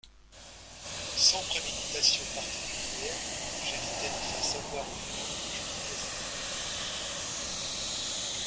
Sans préméditation particulière, j’évitai de faire savoir aux miens que je vivais encore.